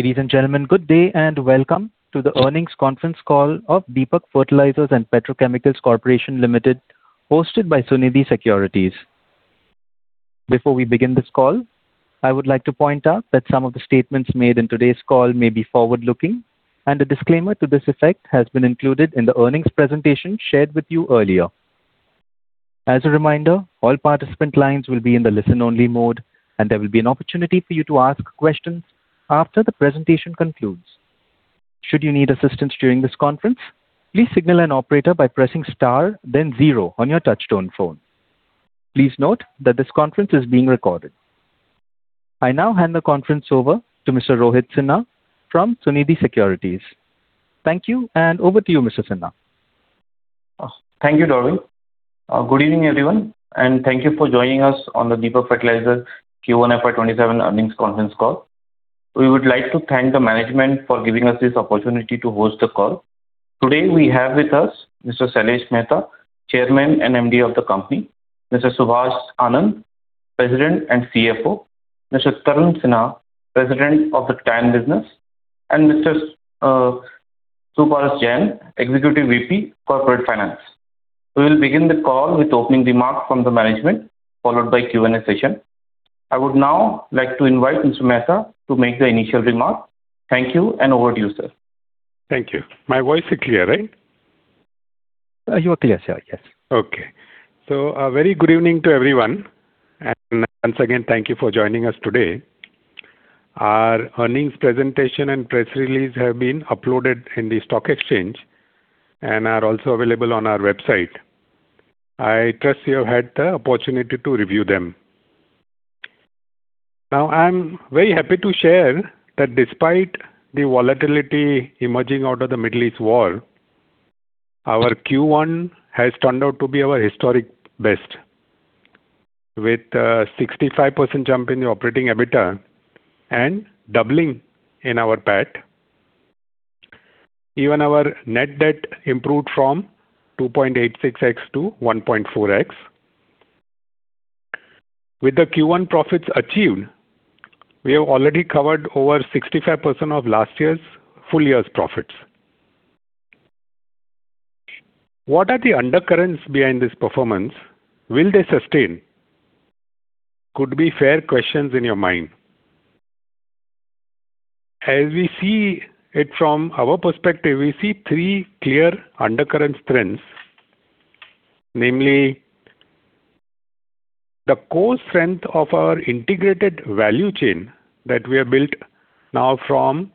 Ladies and gentlemen, good day and welcome to the earnings conference call of Deepak Fertilisers And Petrochemicals Corporation Limited, hosted by Sunidhi Securities. Before we begin this call, I would like to point out that some of the statements made in today's call may be forward-looking, and a disclaimer to this effect has been included in the earnings presentation shared with you earlier. As a reminder, all participant lines will be in the listen-only mode, and there will be an opportunity for you to ask questions after the presentation concludes. Should you need assistance during this conference, please signal an operator by pressing star then zero on your touchtone phone. Please note that this conference is being recorded. I now hand the conference over to Mr. Rohit Sinha from Sunidhi Securities. Thank you, and over to you, Mr. Sinha. Thank you, Darwin. Good evening, everyone, and thank you for joining us on the Deepak Fertilisers Q1 FY 2027 earnings conference call. We would like to thank the management for giving us this opportunity to host the call. Today, we have with us Mr. Sailesh Mehta, Chairman and MD of the company, Mr. Subhash Anand, President and CFO, Mr. Tarun Sinha, President of the TAN business, and Mr. Suparas Jain, Executive VP Corporate Finance. We will begin the call with opening remarks from the management, followed by Q&A session. I would now like to invite Mr. Mehta to make the initial remark. Thank you, and over to you, sir. Thank you. My voice is clear, right? Yes, sir. A very good evening to everyone, and once again, thank you for joining us today. Our earnings presentation and press release have been uploaded in the stock exchange and are also available on our website. I trust you have had the opportunity to review them. I'm very happy to share that despite the volatility emerging out of the Middle East war, our Q1 has turned out to be our historic best, with a 65% jump in the operating EBITDA and doubling in our PAT. Even our net debt improved from 2.86x to 1.4x. With the Q1 profits achieved, we have already covered over 65% of last year's full year's profits. What are the undercurrents behind this performance? Will they sustain? Could be fair questions in your mind. As we see it from our perspective, we see three clear undercurrent trends, namely, the core strength of our integrated value chain that we have built now from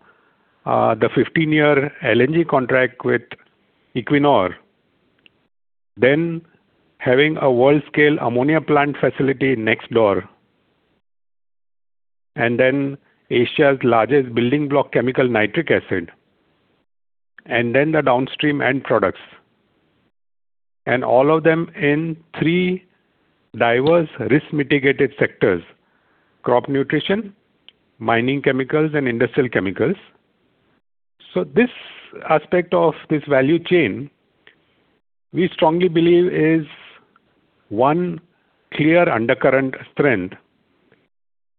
the 15-year LNG contract with Equinor, then having a world-scale ammonia plant facility next door, and then Asia's largest building block chemical nitric acid, and then the downstream end products. All of them in three diverse risk mitigated sectors: crop nutrition, mining chemicals, and industrial chemicals. This aspect of this value chain, we strongly believe is one clear undercurrent strength,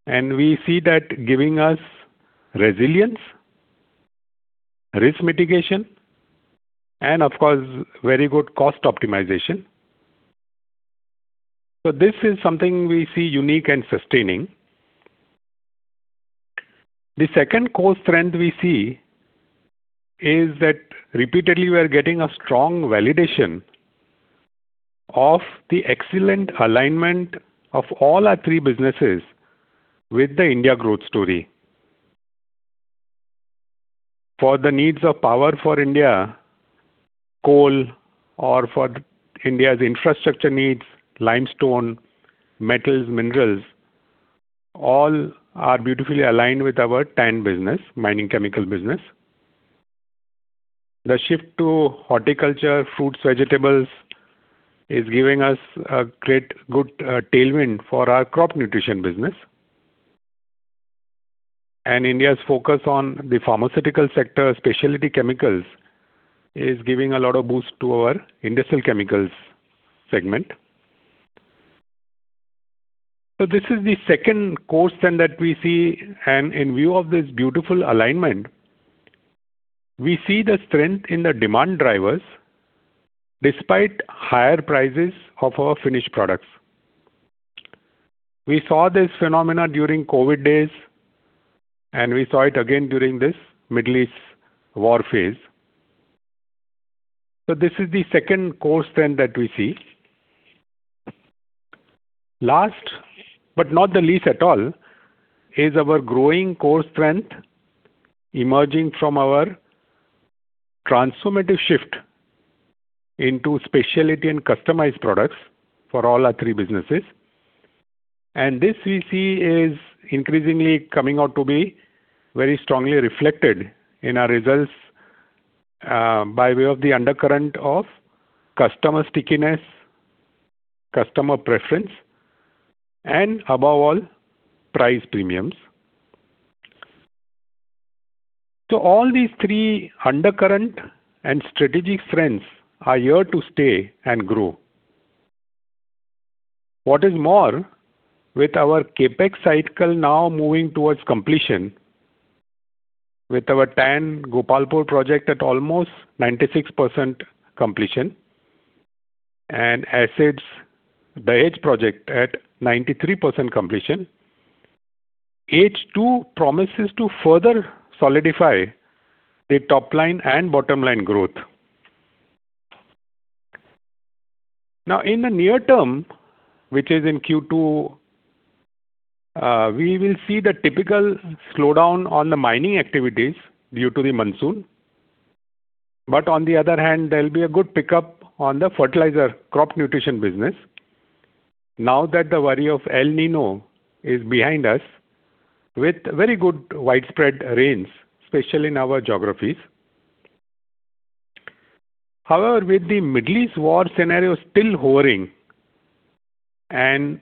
and we see that giving us resilience, risk mitigation, and of course, very good cost optimization. This is something we see unique and sustaining. The second core strength we see is that repeatedly we are getting a strong validation of the excellent alignment of all our three businesses with the India growth story. For the needs of power for India, coal, or for India's infrastructure needs, limestone, metals, minerals, all are beautifully aligned with our TAN business, mining chemical business. The shift to horticulture, fruits, vegetables is giving us a great good tailwind for our crop nutrition business. India's focus on the pharmaceutical sector, specialty chemicals, is giving a lot of boost to our industrial chemicals segment. This is the second core strength that we see, and in view of this beautiful alignment, we see the strength in the demand drivers despite higher prices of our finished products. We saw this phenomena during COVID days, and we saw it again during this Middle East war phase. This is the second core strength that we see. Last, but not the least at all, is our growing core strength emerging from our transformative shift into specialty and customized products for all our three businesses. This we see is increasingly coming out to be very strongly reflected in our results by way of the undercurrent of customer stickiness, customer preference, and above all, price premiums. All these three undercurrent and strategic trends are here to stay and grow. What is more, with our CapEx cycle now moving towards completion, with our TAN Gopalpur project at almost 96% completion and acids Dahej project at 93% completion, H2 promises to further solidify the top line and bottom line growth. In the near term, which is in Q2, we will see the typical slowdown on the mining activities due to the monsoon. On the other hand, there will be a good pickup on the fertilizer Croptek nutrition business now that the worry of El Niño is behind us with very good widespread rains, especially in our geographies. However, with the Middle East war scenario still hovering and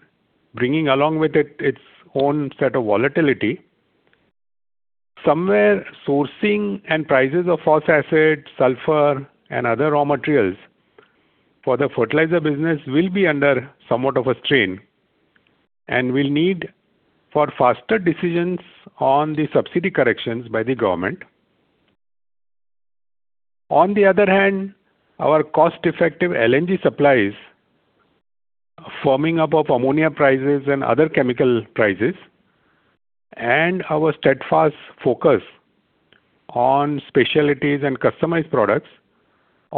bringing along with it its own set of volatility, somewhere sourcing and prices of phosphoric acid, sulfur, and other raw materials for the fertilizer business will be under somewhat of a strain, and will need for faster decisions on the subsidy corrections by the government. On the other hand, our cost-effective LNG supplies firming up of ammonia prices and other chemical prices, and our steadfast focus on specialties and customized products,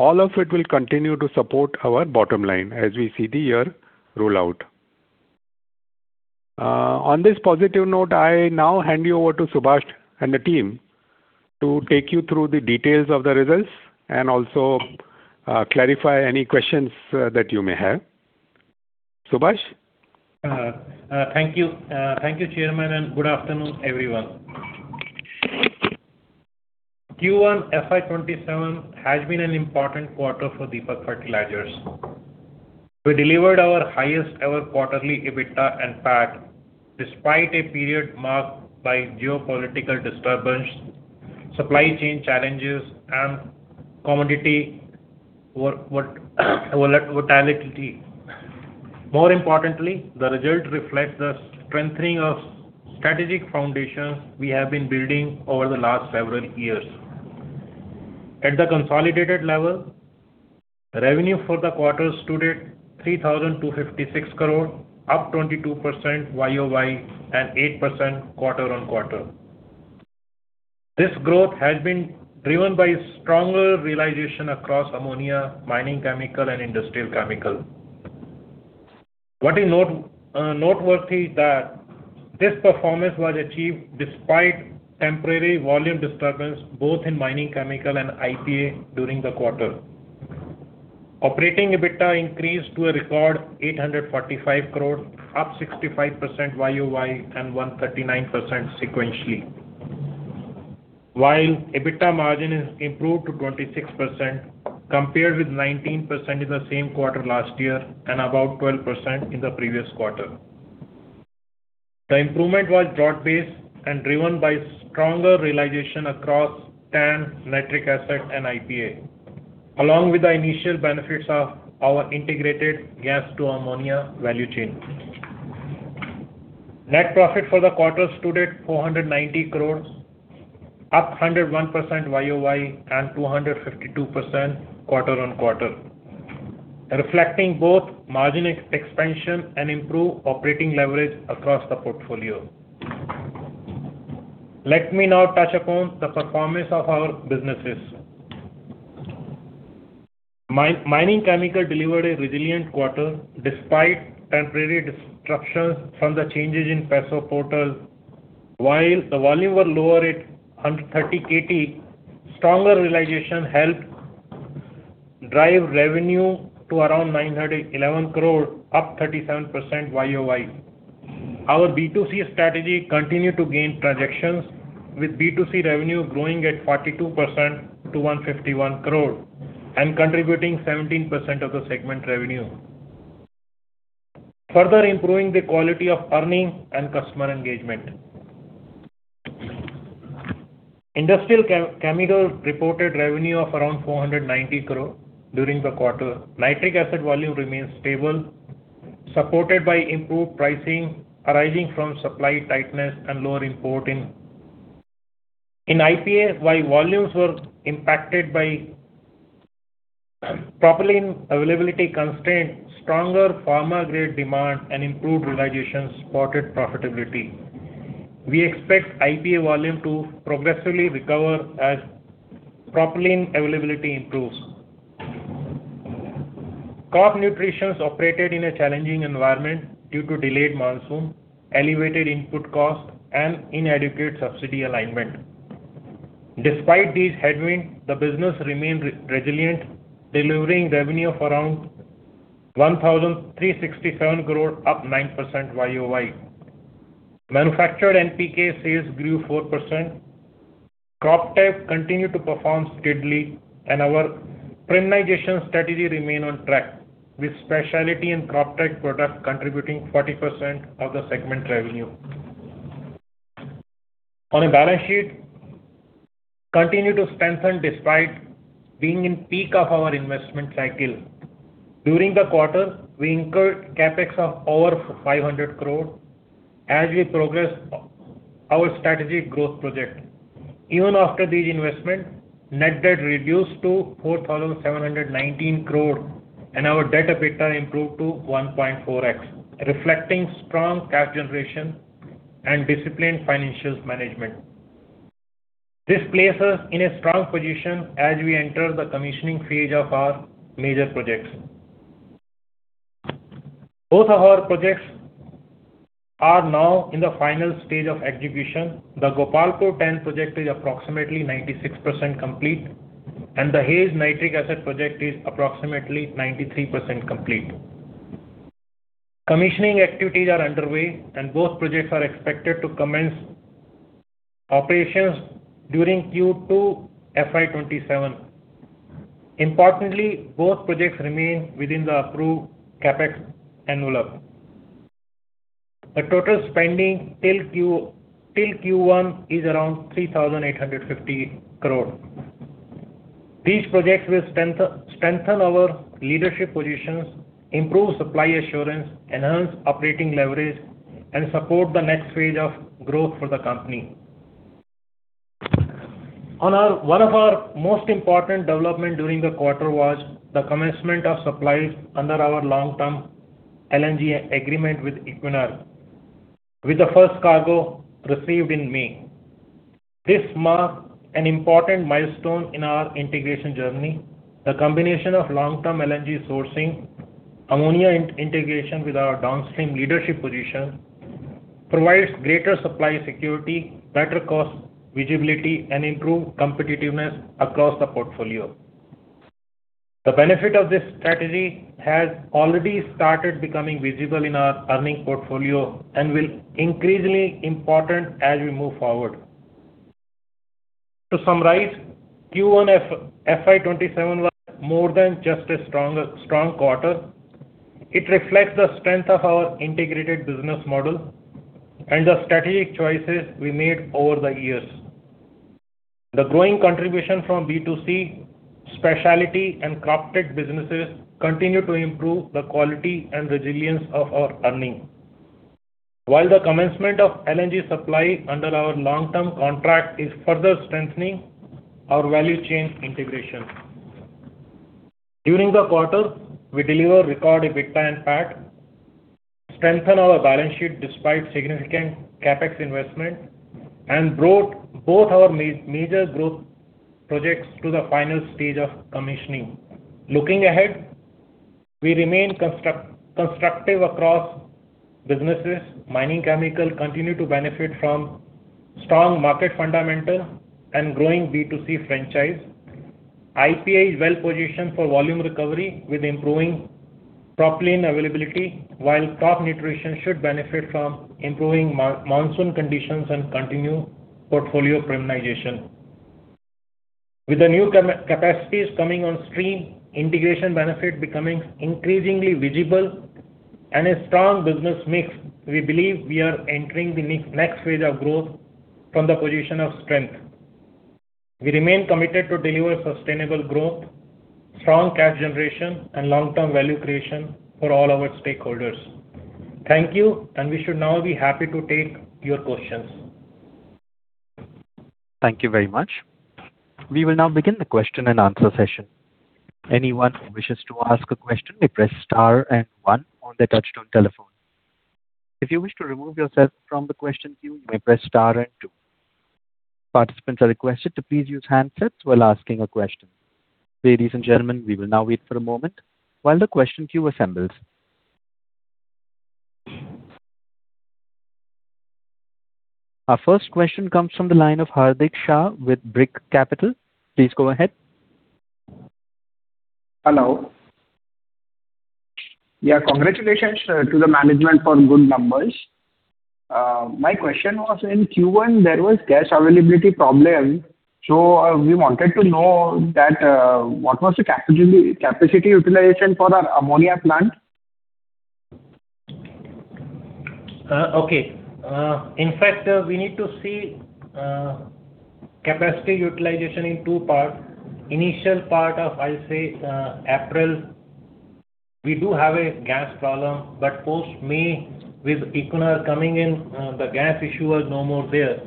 all of it will continue to support our bottom line as we see the year roll out. On this positive note, I now hand you over to Subhash and the team to take you through the details of the results and also clarify any questions that you may have. Subhash. Thank you. Thank you, Chairman, and good afternoon, everyone. Q1 FY 2027 has been an important quarter for Deepak Fertilisers. We delivered our highest ever quarterly EBITDA and PAT despite a period marked by geopolitical disturbance, supply chain challenges, and commodity volatility. More importantly, the result reflects the strengthening of strategic foundations we have been building over the last several years. At the consolidated level, revenue for the quarter stood at 3,256 crore, up 22% year-over-year and 8% quarter-over-quarter. This growth has been driven by stronger realization across ammonia, mining chemical, and industrial chemical. What is noteworthy is that this performance was achieved despite temporary volume disturbance both in mining chemical and IPA during the quarter. Operating EBITDA increased to a record 845 crore, up 65% year-over-year and 139% sequentially. While EBITDA margin is improved to 26%, compared with 19% in the same quarter last year and about 12% in the previous quarter. The improvement was broad-based and driven by stronger realization across TAN, nitric acid, and IPA, along with the initial benefits of our integrated gas to ammonia value chain. Net profit for the quarter stood at INR 490 crore, up 101% year-over-year and 252% quarter-over-quarter, reflecting both margin expansion and improved operating leverage across the portfolio. Let me now touch upon the performance of our businesses. Mining chemical delivered a resilient quarter despite temporary disruptions from the changes in PESO portal. While the volume were lower at 130 KT, stronger realization helped drive revenue to around 911 crore, up 37% year-over-year. Our B2C strategy continued to gain traction with B2C revenue growing at 42% to 151 crore and contributing 17% of the segment revenue, further improving the quality of earnings and customer engagement. Industrial Chemical reported revenue of around 490 crore during the quarter. Nitric acid volume remains stable, supported by improved pricing arising from supply tightness and lower import. In IPA, while volumes were impacted by propylene availability constraints, stronger pharma grade demand and improved realizations supported profitability. We expect IPA volume to progressively recover as propylene availability improves. Crop Nutrition operated in a challenging environment due to delayed monsoon, elevated input cost, and inadequate subsidy alignment. Despite these headwinds, the business remained resilient, delivering revenue of around 1,367 crore, up 9% YoY. Manufactured NPK sales grew 4%. Croptek continued to perform steadily and our premiumization strategy remain on track, with specialty and Croptek products contributing 40% of the segment revenue. Our balance sheet continued to strengthen despite being in peak of our investment cycle. During the quarter, we incurred CapEx of over 500 crore as we progress our strategic growth project. Even after this investment, net debt reduced to 4,719 crore and our debt EBITDA improved to 1.4x, reflecting strong cash generation and disciplined financials management. This places us in a strong position as we enter the commissioning phase of our major projects. Both of our projects are now in the final stage of execution. The Gopalpur TAN project is approximately 96% complete, and the Hazira nitric acid project is approximately 93% complete. Commissioning activities are underway, and both projects are expected to commence operations during Q2 FY 2027. Importantly, both projects remain within the approved CapEx envelope. The total spending till Q1 is around 3,850 crore. These projects will strengthen our leadership positions, improve supply assurance, enhance operating leverage, and support the next phase of growth for the company. One of our most important development during the quarter was the commencement of supplies under our long-term LNG agreement with Equinor, with the first cargo received in May. This marked an important milestone in our integration journey. The combination of long-term LNG sourcing, ammonia integration with our downstream leadership position provides greater supply security, better cost visibility, and improved competitiveness across the portfolio. The benefit of this strategy has already started becoming visible in our earnings portfolio and will increasingly important as we move forward. To summarize, Q1 FY 2027 was more than just a strong quarter. It reflects the strength of our integrated business model and the strategic choices we made over the years. The growing contribution from B2C, specialty and Croptek businesses continue to improve the quality and resilience of our earnings. The commencement of LNG supply under our long-term contract is further strengthening our value chain integration. During the quarter, we delivered record EBITDA and PAT, strengthened our balance sheet despite significant CapEx investment, and brought both our major growth projects to the final stage of commissioning. Looking ahead, we remain constructive across businesses. Mining Chemical continue to benefit from strong market fundamentals and growing B2C franchise. IPA is well-positioned for volume recovery with improving propylene availability, while Crop Nutrition should benefit from improving monsoon conditions and continued portfolio premiumization. With the new capacities coming on stream, integration benefit becoming increasingly visible, and a strong business mix, we believe we are entering the next phase of growth from the position of strength. We remain committed to deliver sustainable growth, strong cash generation, and long-term value creation for all our stakeholders. Thank you. We should now be happy to take your questions. Thank you very much. We will now begin the question-and-answer session. Anyone who wishes to ask a question may press star and one on their touch-tone telephone. If you wish to remove yourself from the question queue, you may press star and two. Participants are requested to please use handsets while asking a question. Ladies and gentlemen, we will now wait for a moment while the question queue assembles. Our first question comes from the line of Hardik Shah with Brick Capital. Please go ahead. Hello. Yeah, congratulations to the management for good numbers. My question was, in Q1, there was gas availability problem. We wanted to know what was the capacity utilization for our ammonia plant? Okay. In fact, we need to see capacity utilization in two parts. Initial part of, I'll say, April, we do have a gas problem, post-May, with Equinor coming in, the gas issue was no more there.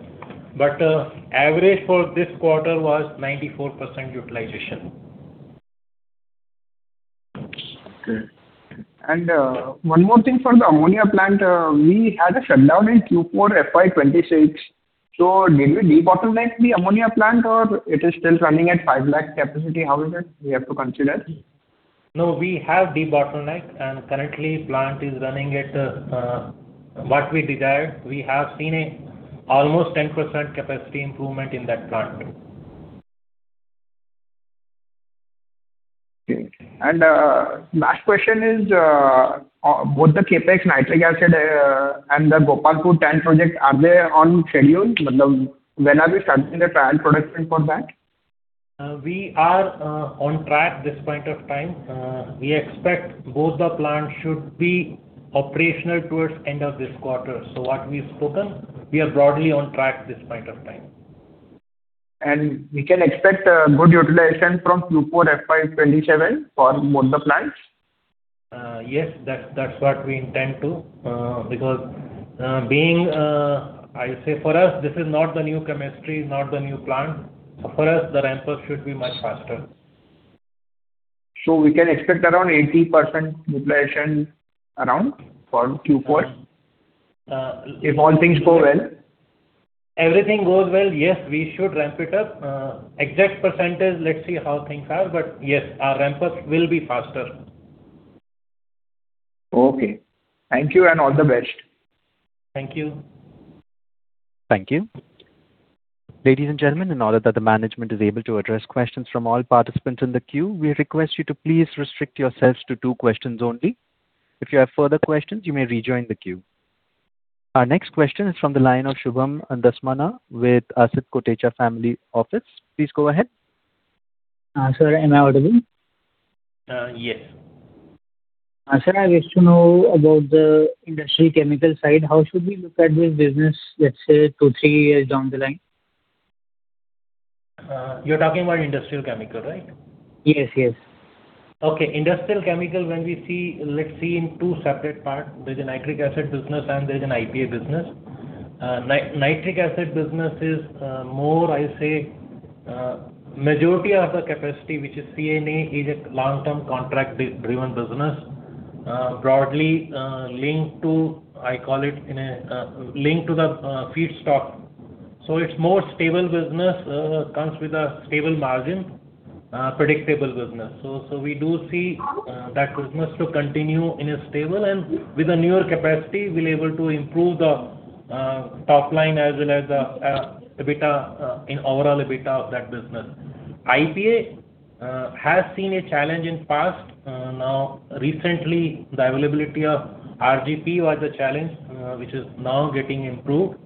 Average for this quarter was 94% utilization. Okay. One more thing for the ammonia plant. We had a shutdown in Q4 FY 2026. Did we debottleneck the ammonia plant, or it is still running at 500,000 capacity? How is it we have to consider? No, we have debottlenecked, and currently plant is running at what we desired. We have seen almost 10% capacity improvement in that plant. Okay. Last question is, both the CapEx nitric acid and the Gopalpur TAN project, are they on schedule? When are we starting the trial production for that? We are on track this point of time. We expect both the plants should be operational towards end of this quarter. What we've spoken, we are broadly on track this point of time. We can expect good utilization from Q4 FY 2027 for both the plants? Yes. That's what we intend to because, I say, for us, this is not the new chemistry, not the new plant. For us, the ramp-up should be much faster. We can expect around 80% utilization around for Q4? If all things go well. Everything goes well, yes, we should ramp it up. Exact percentage, let's see how things are. Yes, our ramp-ups will be faster. Okay. Thank you, and all the best. Thank you. Thank you. Ladies and gentlemen, in order that the management is able to address questions from all participants in the queue, we request you to please restrict yourselves to two questions only. If you have further questions, you may rejoin the queue. Our next question is from the line of Shubham Sharma with Aditya Birla Family Office. Please go ahead. Sir, am I audible? Yes. Sir, I wish to know about the industry chemical side. How should we look at this business, let's say, two, three years down the line? You're talking about industrial chemical, right? Yes. Okay. Industrial chemical, let's see in two separate parts. There's a nitric acid business and there's an IPA business. Nitric acid business is more, I say, majority of the capacity, which is CNA, is a long-term contract driven business broadly linked to the feedstock. It's more stable business, comes with a stable margin, predictable business. We do see that business to continue in a stable and with a newer capacity, we'll able to improve the top line as well as the overall EBITDA of that business. IPA has seen a challenge in past. Now, recently, the availability of RGP was a challenge which is now getting improved.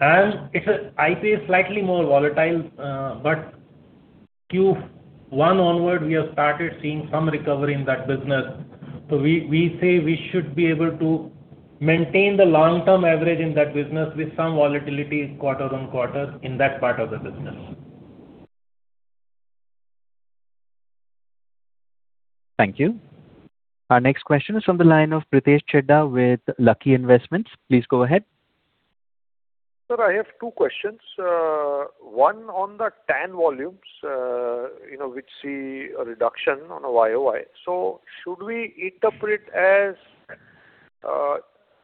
IPA is slightly more volatile, but Q1 onward, we have started seeing some recovery in that business. We say we should be able to maintain the long-term average in that business with some volatility quarter-on-quarter in that part of the business. Thank you. Our next question is from the line of Pritesh Chheda with Lucky Investments. Please go ahead. Sir, I have two questions. One on the TAN volumes, which see a reduction on a YoY. Should we interpret as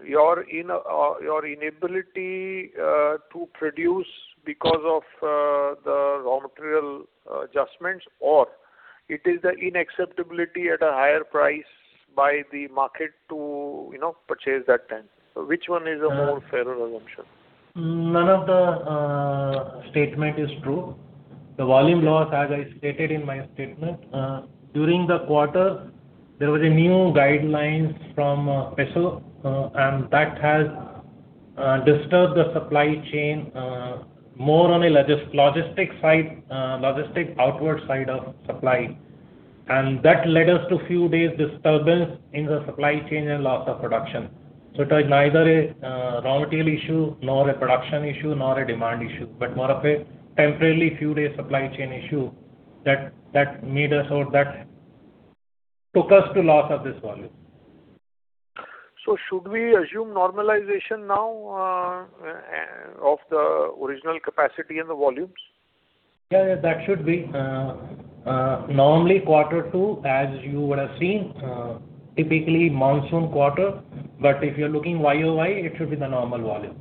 your inability to produce because of the raw material adjustments, or it is the inacceptability at a higher price by the market to purchase that TAN? Which one is a more fairer assumption? None of the statement is true. The volume loss, as I stated in my statement, during the quarter, there was a new guidelines from PESO, and that has disturbed the supply chain more on a logistic outward side of supply. That led us to few days disturbance in the supply chain and loss of production. It was neither a raw material issue, nor a production issue, nor a demand issue, but more of a temporarily few days supply chain issue that took us to loss of this volume. Should we assume normalization now of the original capacity and the volumes? Yeah, that should be. Normally Q2, as you would have seen, typically monsoon quarter, but if you're looking YoY, it should be the normal volume.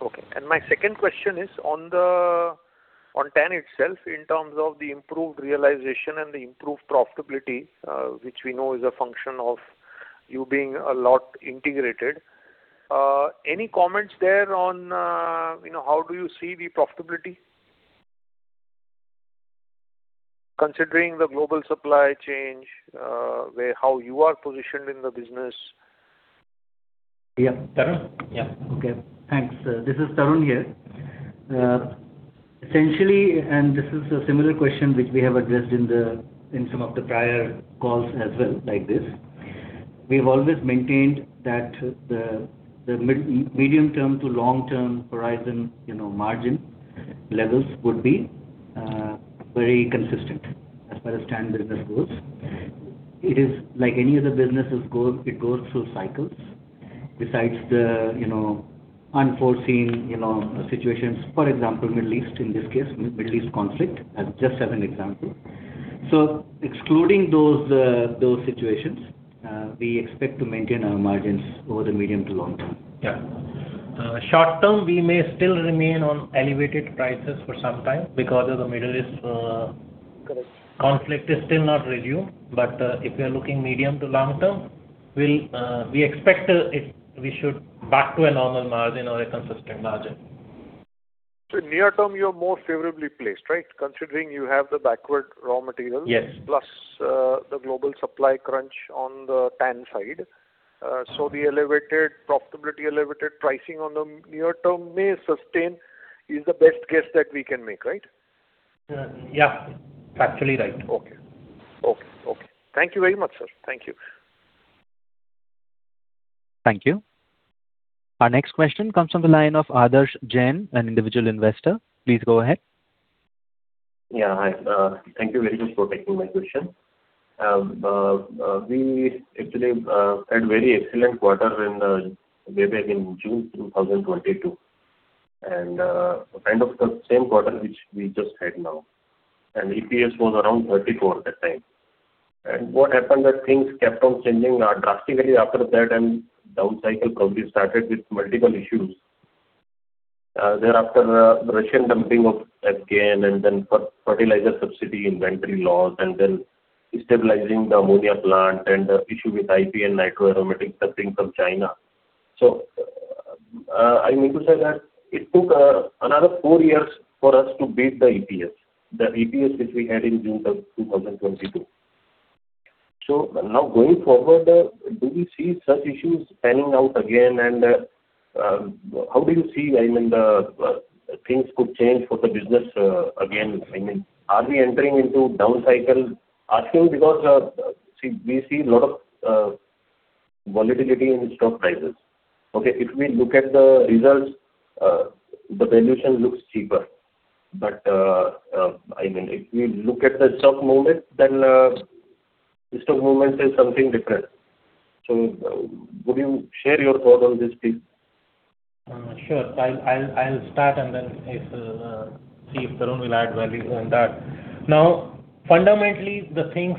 Okay. My second question is on TAN itself, in terms of the improved realization and the improved profitability, which we know is a function of you being a lot integrated. Any comments there on how do you see the profitability, considering the global supply chain, how you are positioned in the business? Yeah. Tarun? Yeah. Okay, thanks. This is Tarun here. Essentially, this is a similar question which we have addressed in some of the prior calls as well like this. We've always maintained that the medium term to long term horizon margin levels would be very consistent as far as TAN business goes. It is like any other business, it goes through cycles besides the unforeseen situations. For example, Middle East in this case, Middle East conflict, as just as an example. Excluding those situations, we expect to maintain our margins over the medium to long term. Yeah. Short term, we may still remain on elevated prices for some time because of the Middle East- Correct Conflict is still not resumed. If you're looking medium to long term, we expect we should back to a normal margin or a consistent margin. Near term, you're more favorably placed, right? Considering you have the backward raw materials- Yes. Plus the global supply crunch on the TAN side. The profitability elevated pricing on the near term may sustain is the best guess that we can make, right? Yeah. Factually right. Okay. Thank you very much, sir. Thank you. Thank you. Our next question comes from the line of Adarsh Jain, an individual investor. Please go ahead. Hi. Thank you very much for taking my question. We actually had very excellent quarter in the way back in June 2022, and kind of the same quarter which we just had now. EPS was around 34 that time. What happened that things kept on changing drastically after that and down cycle probably started with multiple issues. Thereafter, Russian dumping of FGAN and then fertilizer subsidy, inventory loss, and then stabilizing the ammonia plant, and the issue with IPA and nitroaromatic dumping from China. I mean to say that it took another four years for us to beat the EPS, the EPS which we had in June of 2022. Now going forward, do we see such issues panning out again? How do you see, things could change for the business again? Are we entering into down cycle? Asking because we see a lot of volatility in stock prices. Okay. If we look at the results, the valuation looks cheaper. If we look at the stock movement, stock movement says something different. Would you share your thought on this, please? Sure. I'll start and then see if Tarun will add value on that. Fundamentally, the things,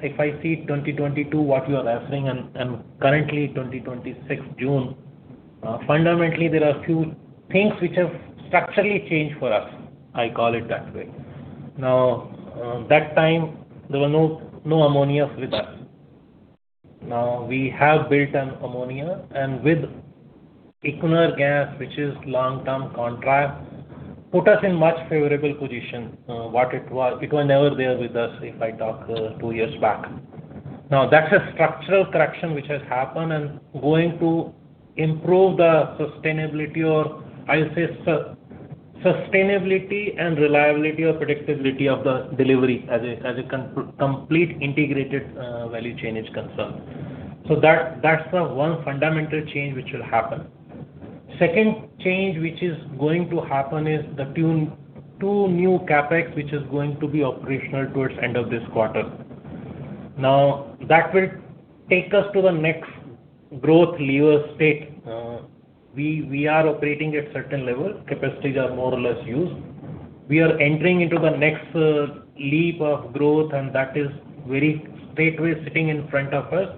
if I see 2022, what you are referencing, and currently 2026 June. Fundamentally, there are few things which have structurally changed for us. I call it that way. That time, there were no ammonia with us. Now we have built an ammonia and with Equinor gas, which is long-term contract, put us in much favorable position. It was never there with us if I talk two years back. That's a structural correction which has happened and going to improve the sustainability, or I'll say sustainability and reliability or predictability of the delivery as a complete integrated value chain is concerned. That's the one fundamental change which will happen. Second change which is going to happen is the two new CapEx, which is going to be operational towards end of this quarter. That will take us to the next growth lever state. We are operating at certain level. Capacities are more or less used. We are entering into the next leap of growth, and that is very straightway sitting in front of us,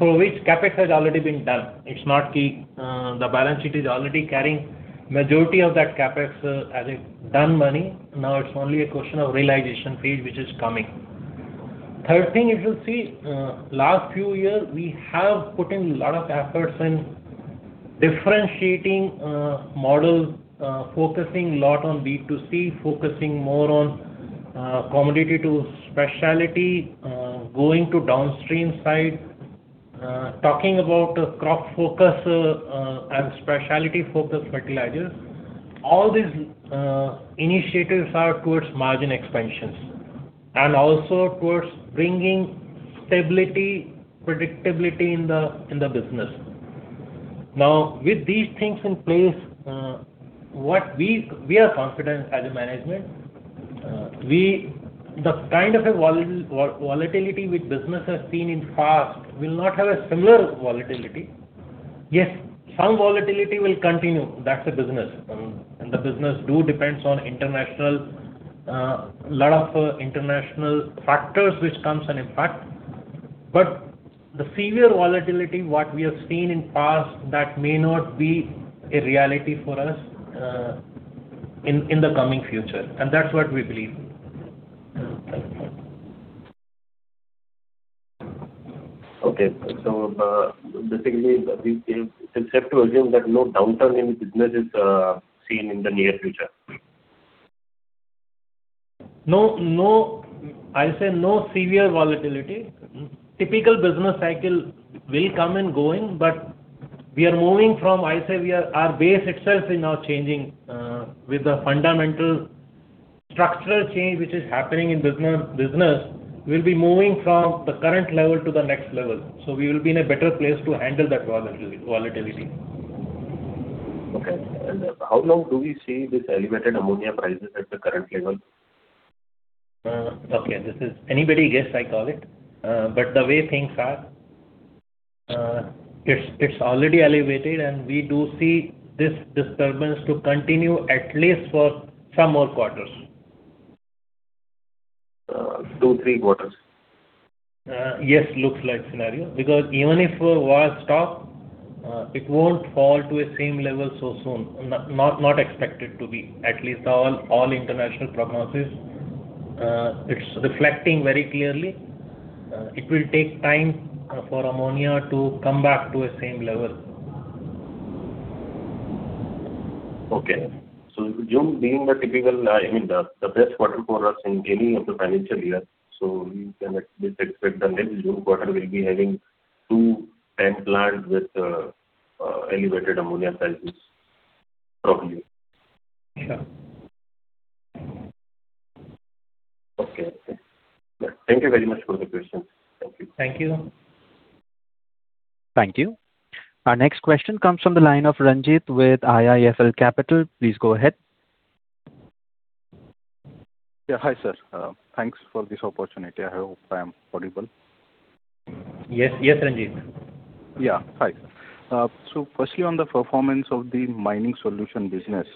for which CapEx has already been done. The balance sheet is already carrying majority of that CapEx as a done money. It's only a question of realization phase, which is coming. Third thing, if you see, last few years, we have put in lot of efforts in differentiating models, focusing lot on B2C, focusing more on commodity to specialty, going to downstream side, talking about crop focus, and specialty focus fertilizers. All these initiatives are towards margin expansions and also towards bringing stability, predictability in the business. With these things in place, we are confident as a management. The kind of a volatility which business has seen in past will not have a similar volatility. Yes, some volatility will continue. That's a business. The business does depend on a lot of international factors which comes and impact. The severe volatility, what we have seen in past, that may not be a reality for us in the coming future. That's what we believe. Basically, we just have to assume that no downturn in business is seen in the near future. I say no severe volatility. Typical business cycle will come and go, we are moving from, I say our base itself is now changing, with the fundamental structural change which is happening in business. We'll be moving from the current level to the next level. We will be in a better place to handle that volatility. How long do we see this elevated ammonia prices at the current level? Okay. This is anybody guess, I call it. The way things are, it's already elevated, and we do see this disturbance to continue at least for some more quarters. Two, three quarters? Yes, looks like scenario. Even if war stop, it won't fall to a same level so soon. Not expected to be, at least all international prognosis. It's reflecting very clearly. It will take time for ammonia to come back to a same level. Okay. June being the best quarter for us in any of the financial year, we can at least expect the next June quarter will be having two TAN plants with elevated ammonia sales probably. Yeah. Okay. Thank you very much for the questions. Thank you. Thank you. Thank you. Our next question comes from the line of Ranjit with IIFL Capital. Please go ahead. Yeah. Hi, sir. Thanks for this opportunity. I hope I am audible. Yes, Ranjit. Yeah. Hi. Firstly, on the performance of the mining solution business.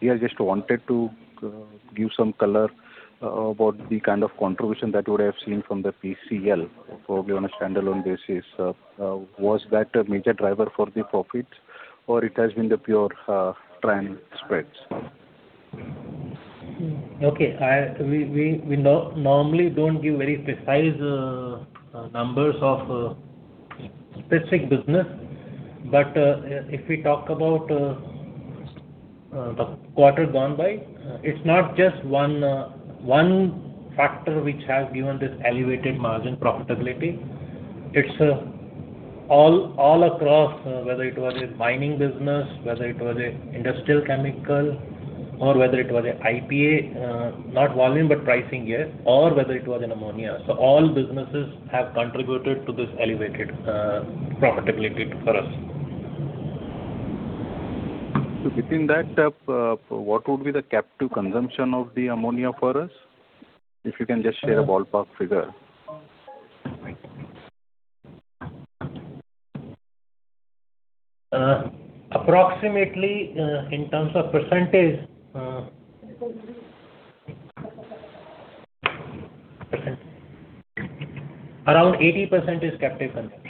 Here, just wanted to give some color about the kind of contribution that would have seen from the PCL, probably on a standalone basis. Was that a major driver for the profits or it has been the pure TAN spreads? Okay. We normally don't give very precise numbers of specific business. If we talk about the quarter gone by, it's not just one factor which has given this elevated margin profitability. It's all across, whether it was a mining business, whether it was a industrial chemical, or whether it was a IPA, not volume, but pricing, yes, or whether it was an ammonia. All businesses have contributed to this elevated profitability for us. Within that, what would be the captive consumption of the ammonia for us? If you can just share a ballpark figure. Approximately, in terms of percentage, around 80% is captive consumption.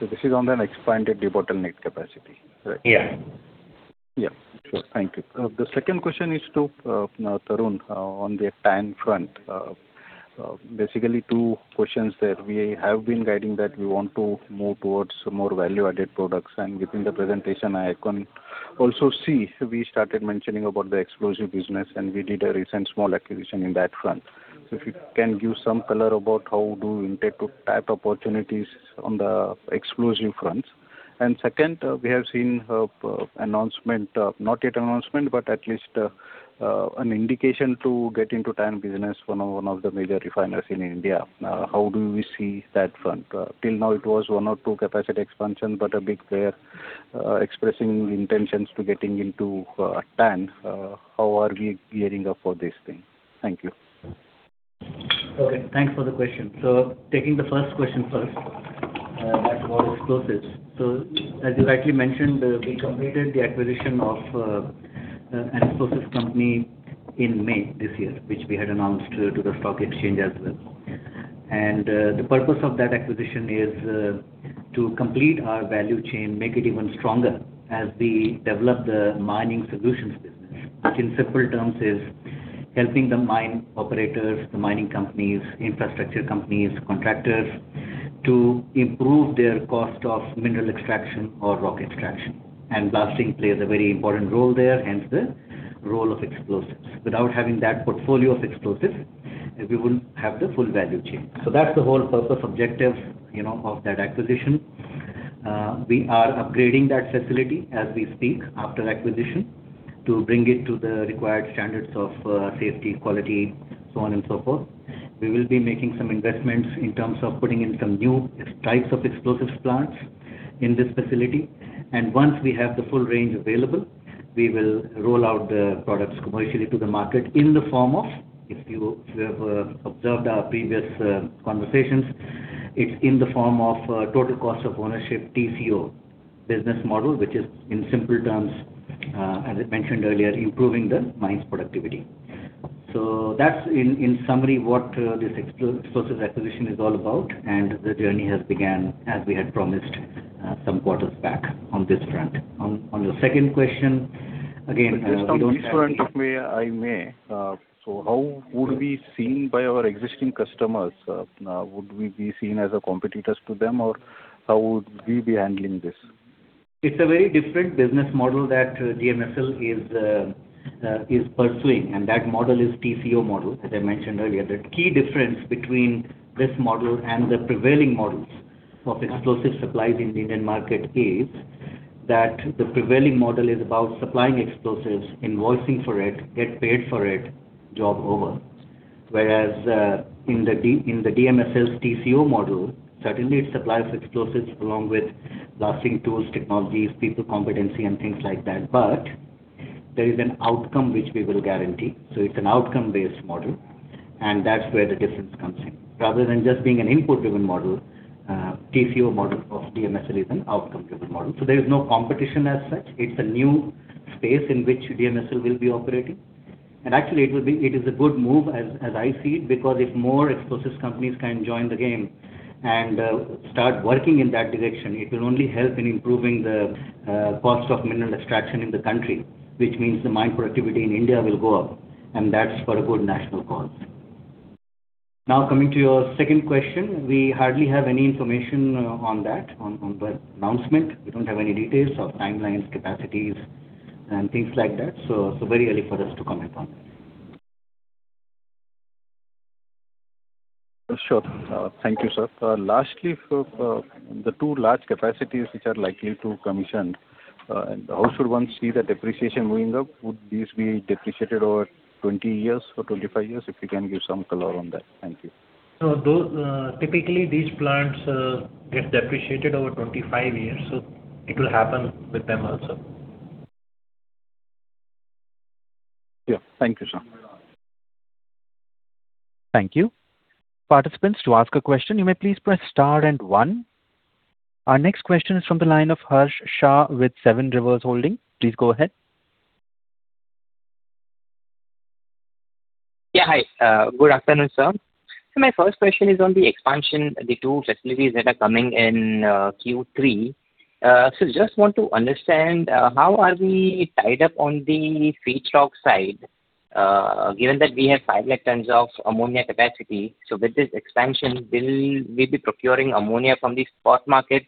This is on an expanded debottlenecked capacity, correct? Yeah. Yeah. Sure. Thank you. The second question is to Tarun on the TAN front. Basically, two questions there. We have been guiding that we want to move towards more value-added products, and within the presentation, I can also see we started mentioning about the explosive business, and we did a recent small acquisition in that front. If you can give some color about how do you intend to tap opportunities on the explosive fronts. Second, we have seen not yet announcement, but at least an indication to get into TAN business for one of the major refiners in India. How do we see that front? Till now it was one or two capacity expansion, but a big player expressing intentions to getting into TAN. How are we gearing up for this thing? Thank you. Okay. Thanks for the question. Taking the first question first as about explosives. As you rightly mentioned, we completed the acquisition of an explosives company in May this year, which we had announced to the stock exchange as well. The purpose of that acquisition is to complete our value chain, make it even stronger as we develop the mining solutions business, which in simple terms is helping the mine operators, the mining companies, infrastructure companies, contractors, to improve their cost of mineral extraction or rock extraction. Blasting plays a very important role there, hence the role of explosives. Without having that portfolio of explosives, we wouldn't have the full value chain. That's the whole purpose objective of that acquisition. We are upgrading that facility as we speak after acquisition to bring it to the required standards of safety, quality, so on and so forth. We will be making some investments in terms of putting in some new types of explosives plants in this facility. Once we have the full range available, we will roll out the products commercially to the market in the form of, if you have observed our previous conversations, it's in the form of total cost of ownership, TCO business model, which is in simple terms, as I mentioned earlier, improving the mine's productivity. That's in summary what this explosives acquisition is all about, and the journey has began, as we had promised some quarters back on this front. On your second question, again- Just on this front, if I may. How would we be seen by our existing customers? Would we be seen as a competitors to them, or how would we be handling this? It's a very different business model that DMSL is pursuing, and that model is TCO model, as I mentioned earlier. The key difference between this model and the prevailing models of explosive supplies in the Indian market is that the prevailing model is about supplying explosives, invoicing for it, get paid for it, job over. Whereas in the DMSL's TCO model, certainly it supplies explosives along with blasting tools, technologies, people competency and things like that, but there is an outcome which we will guarantee. It's an outcome-based model, and that's where the difference comes in. Rather than just being an input driven model, TCO model of DMSL is an outcome driven model. There is no competition as such. It's a new space in which DMSL will be operating. Actually, it is a good move as I see it because if more explosives companies can join the game and start working in that direction, it will only help in improving the cost of mineral extraction in the country, which means the mine productivity in India will go up, and that's for a good national cause. Coming to your second question, we hardly have any information on that, on the announcement. We don't have any details or timelines, capacities, and things like that. Very early for us to comment on. Sure. Thank you, sir. Lastly, the two large capacities which are likely to commission, how should one see the depreciation moving up? Would these be depreciated over 20 years or 25 years? If you can give some color on that. Thank you. Typically, these plants get depreciated over 25 years. It will happen with them also. Yeah. Thank you, sir. Thank you. Participants, to ask a question, you may please press star and one. Our next question is from the line of Harsh Shah with Seven Rivers Holding. Please go ahead. Yeah. Hi. Good afternoon, sir. My first question is on the expansion, the two facilities that are coming in Q3. Just want to understand, how are we tied up on the feedstock side, given that we have five lakh tons of ammonia capacity. With this expansion, will we be procuring ammonia from the spot market?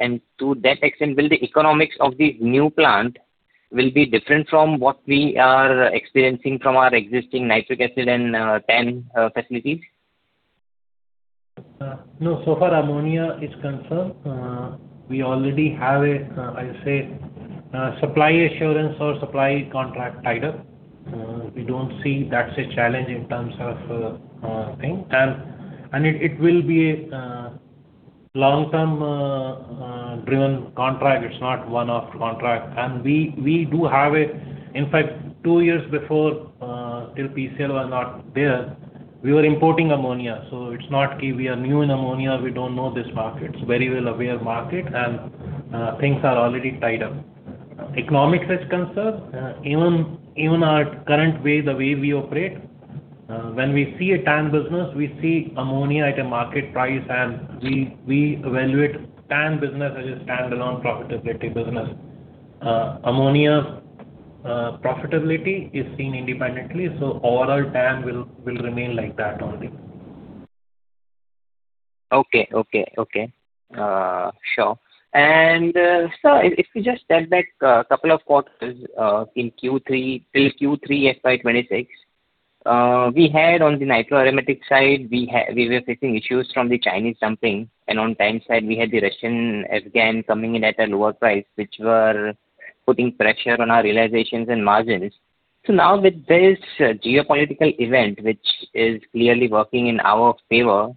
To that extent, will the economics of the new plant be different from what we are experiencing from our existing nitric acid and TAN facilities? No. Far as ammonia is concerned, we already have a, I'll say, supply assurance or supply contract tied up. We don't see that's a challenge in terms of thing. It will be a long term driven contract. It's not one-off contract. We do have it. In fact, two years before, till PCL was not there, we were importing ammonia. It's not like we are new in ammonia or we don't know this market. It's very well aware market and things are already tied up. As economics is concerned, even our current way, the way we operate, when we see a TAN business, we see ammonia at a market price and we evaluate TAN business as a standalone profitability business. Ammonia profitability is seen independently. Overall TAN will remain like that only. Okay. Sure. Sir, if we just step back a couple of quarters, till Q3 FY 2026, we had on the nitroaromatic side, we were facing issues from the Chinese dumping, and on TAN side we had the Russian, AN coming in at a lower price, which were putting pressure on our realizations and margins. Now with this geopolitical event, which is clearly working in our favor,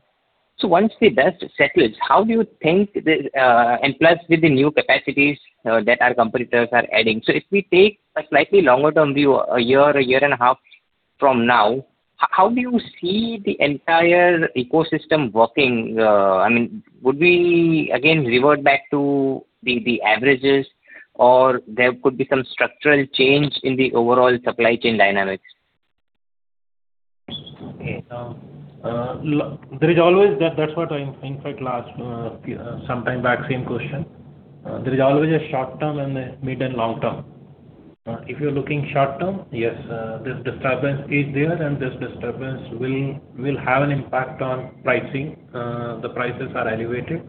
once the dust settles, how do you think plus with the new capacities that our competitors are adding. If we take a slightly longer term view, a year, a year and a half from now, how do you see the entire ecosystem working? Would we again revert back to the averages or there could be some structural change in the overall supply chain dynamics? Okay. That's what in fact last, sometime back, same question. There is always a short term and a mid and long term. If you're looking short term, yes, this disturbance is there and this disturbance will have an impact on pricing. The prices are elevated,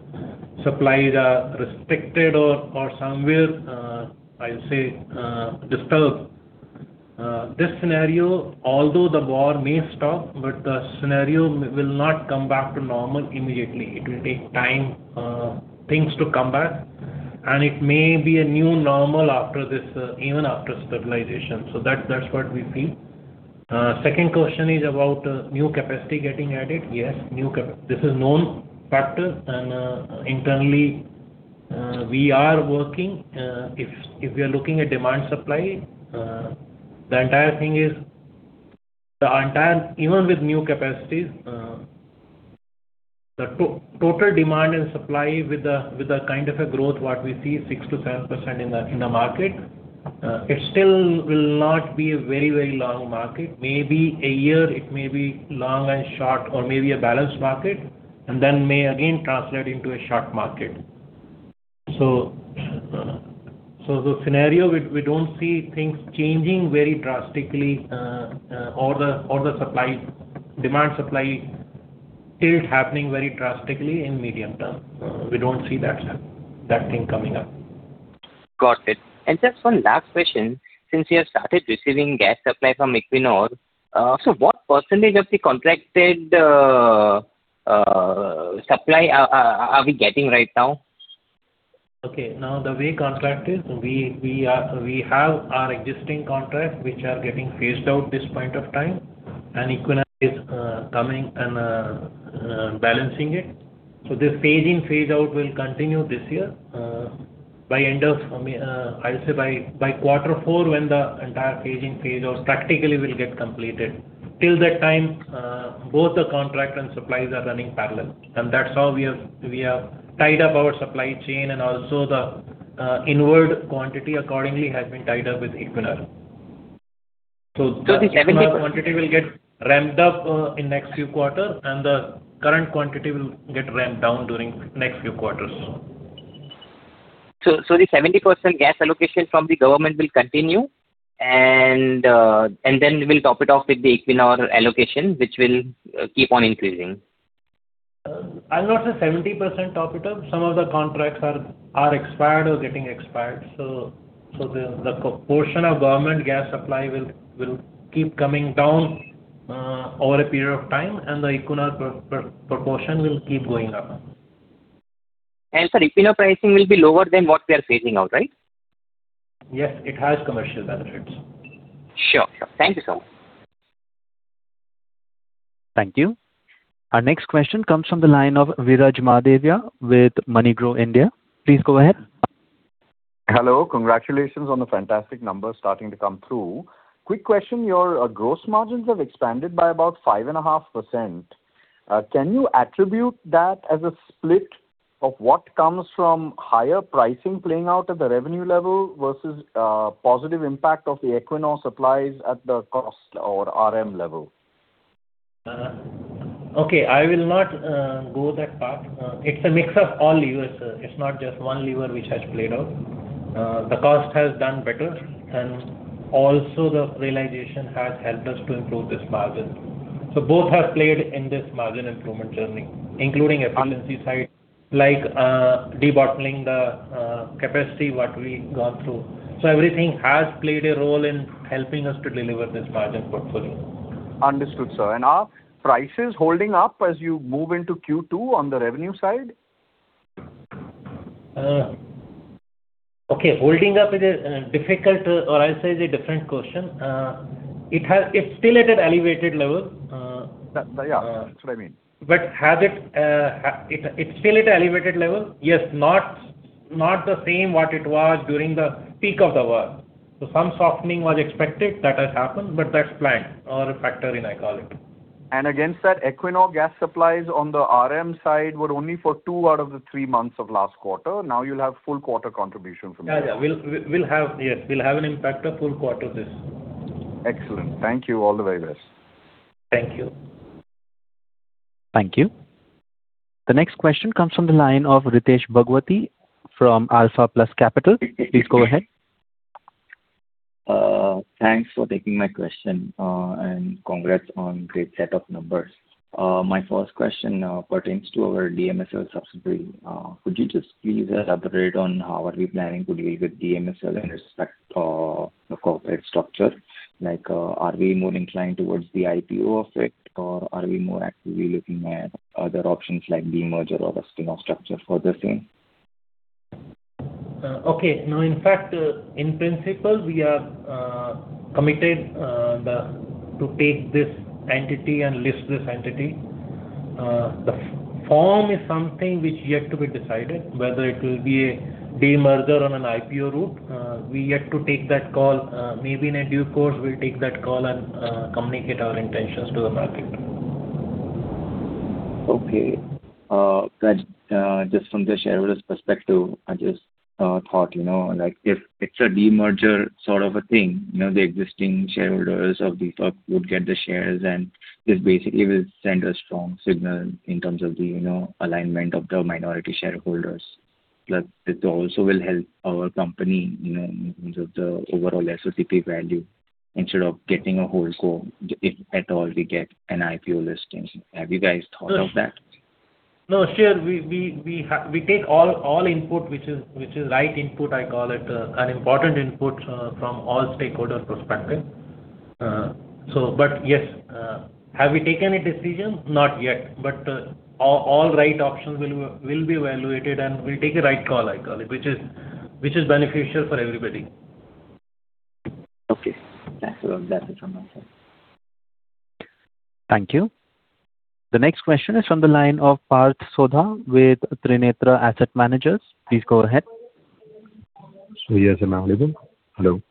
supplies are restricted or somewhere, I'll say, disturbed. The scenario, although the war may stop, the scenario will not come back to normal immediately. It will take time things to come back, it may be a new normal after this, even after stabilization. That's what we feel. Second question is about new capacity getting added. Yes, this is known factor, internally we are working. If we are looking at demand supply, even with new capacities, the total demand and supply with the kind of a growth what we see, 6% to 7% in the market, it still will not be a very long market. Maybe a year it may be long and short or maybe a balanced market, then may again translate into a short market. The scenario, we don't see things changing very drastically or the demand supply tilt happening very drastically in medium term. We don't see that thing coming up. Got it. Just one last question. Since you have started receiving gas supply from Equinor, what percentage of the contracted supply are we getting right now? Okay, now the way contract is, we have our existing contracts which are getting phased out this point of time, Equinor is coming and balancing it. This phase in, phase out will continue this year. I'll say by Q4 when the entire phase in, phase out practically will get completed. Till that time, both the contract and supplies are running parallel, that's how we have tied up our supply chain and also the inward quantity accordingly has been tied up with Equinor. So the- That quantity will get ramped up in next few quarters and the current quantity will get ramped down during next few quarters. The 70% gas allocation from the government will continue, and then we'll top it off with the Equinor allocation, which will keep on increasing. I'll not say 70% top it up. Some of the contracts are expired or getting expired. The proportion of government gas supply will keep coming down over a period of time, and the Equinor proportion will keep going up. Sir, Equinor pricing will be lower than what we are phasing out, right? Yes, it has commercial benefits. Sure. Thank you, sir. Thank you. Our next question comes from the line of Viraj Mahadevia with MoneyGrow India. Please go ahead. Hello, congratulations on the fantastic numbers starting to come through. Quick question, your gross margins have expanded by about 5.5%. Can you attribute that as a split of what comes from higher pricing playing out at the revenue level versus positive impact of the Equinor supplies at the cost or RM level? Okay. I will not go that path. It's a mix of all levers, sir. It's not just one lever which has played out. The cost has done better. Also, the realization has helped us to improve this margin. Both have played in this margin improvement journey, including efficiency side, like debottlenecking the capacity, what we've gone through. Everything has played a role in helping us to deliver this margin portfolio. Understood, sir. Are prices holding up as you move into Q2 on the revenue side? Okay. Holding up is a difficult, or I'll say, is a different question. It's still at an elevated level. Yeah. That's what I mean. It's still at an elevated level, yes. Not the same what it was during the peak of the war. Some softening was expected. That has happened, but that's planned, or a factor, I call it. Against that, Equinor gas supplies on the RM side were only for two out of the three months of last quarter. Now you'll have full quarter contribution from that. Yeah. We'll have an impact of full-quarter this. Excellent. Thank you. All the very best. Thank you. Thank you. The next question comes from the line of Ritesh Bhagwati from Alpha Plus Capital. Please go ahead. Thanks for taking my question, and congrats on great set of numbers. My first question pertains to our DMSL subsidiary. Could you just please elaborate on how are we planning to deal with DMSL in respect of the corporate structure? Are we more inclined towards the IPO effect, or are we more actively looking at other options like demerger or a spin-off structure for the same? Okay. No, in fact, in principle, we are committed to take this entity and list this entity. The form is something which is yet to be decided, whether it will be a demerger on an IPO route. We're yet to take that call. Maybe in a due course we'll take that call and communicate our intentions to the market. Okay. Just from the shareholders' perspective, I just thought, if it's a demerger sort of a thing, the existing shareholders of DFPCL would get the shares, and this basically will send a strong signal in terms of the alignment of the minority shareholders. Plus, it also will help our company in terms of the overall SOTP value instead of getting a whole co, if at all we get an IPO listing. Have you guys thought of that? No, sure. We take all input, which is right input, I call it, an important input from all stakeholder perspective. Yes. Have we taken a decision? Not yet. All right options will be evaluated, and we'll take a right call, I call it, which is beneficial for everybody. Okay. That's all. That is from my side. Thank you. The next question is from the line of Parth Sodha with Trinetra Asset Managers. Please go ahead. Yes, am I audible? Hello.